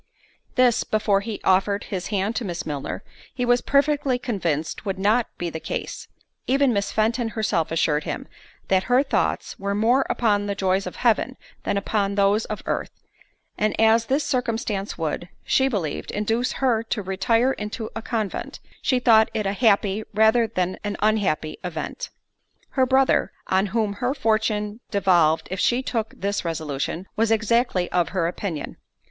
This, before he offered his hand to Miss Milner, he was perfectly convinced would not be the case—even Miss Fenton herself assured him, that her thoughts were more upon the joys of Heaven than upon those of earth; and as this circumstance would, she believed, induce her to retire into a convent, she thought it a happy, rather than an unhappy, event. Her brother, on whom her fortune devolved if she took this resolution, was exactly of her opinion.